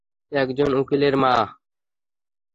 একজন উকিলের মা!